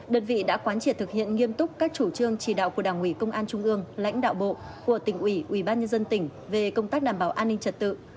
đơn vị đã quán triệt thực hiện nghiêm túc các chủ trương chỉ đạo của đảng ủy công an trung ương lãnh đạo bộ của tỉnh ủy ubnd tỉnh về công tác đảm bảo an ninh trật tự